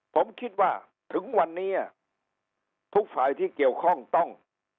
ผมคิดว่าถึงวันนี้ทุกฝ่ายที่เกี่ยวข้องต้อง